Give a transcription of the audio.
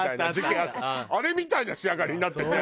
あれみたいな仕上がりになってて。